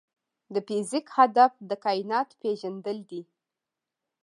د فزیک هدف د کائنات پېژندل دي.